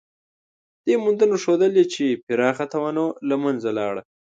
دې موندنو ښودلې، چې پراخه تنوع له منځه لاړه.